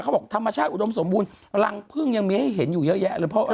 บอกธรรมชาติอุดมสมบูรณ์รังพึ่งยังมีให้เห็นอยู่เยอะแยะเลยเพราะ